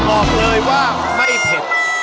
บอกเลยว่าไม่เผ็ด